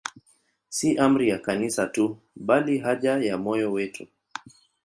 Si amri ya Kanisa tu, bali ni haja ya moyo wetu.